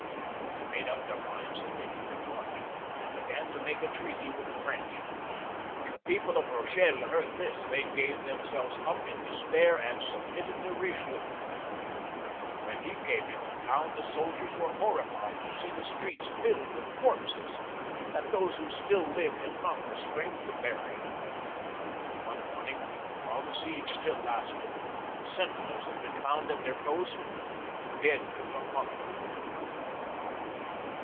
They made up their minds that, they could do notjiing, and began to make a treaty with the ife'rench. When the people of Eochelle heard this they gave themselves up in despair and submitted to Bichelieu. When he came into the town the soldiers were horrified to see the streets filled with corpses, that those who still lived had not the strength to bury. One ' morning, while the siege still lasted, the sentinels had been found at their post dead from hunger.